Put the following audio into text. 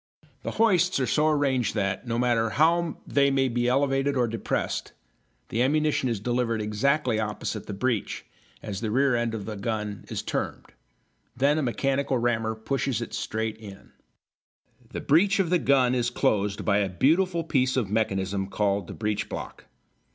The hoists are so arranged that, no matter how they may be elevated or depressed, the ammunition is delivered exactly opposite the breech, as the rear end of a gun is termed. Then a mechanical rammer pushes it straight in. [Illustration: RIFLES OF DIFFERENT NATIONS (See Appendix)] The breech of the gun is closed by a beautiful piece of mechanism called the breech block.